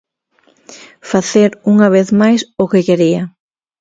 Facer unha vez máis o que quería.